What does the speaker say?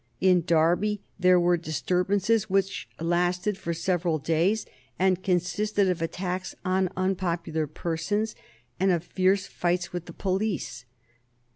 In Derby there were disturbances which lasted for several days, and consisted of attacks on unpopular persons and of fierce fights with the police.